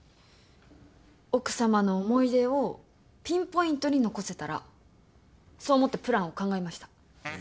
奥様の思い出をピンポイントに残せたらそう思ってプランを考えました。